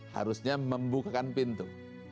harusnya membukakan pintu